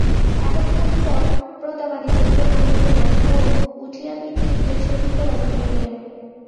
এতক্ষণের পর প্রতাপাদিত্য প্রণাম করিলেন ও উঠিয়া পিতৃব্যের সহিত কোলাকুলি করিলেন।